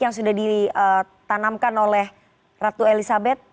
yang sudah ditanamkan oleh ratu elizabeth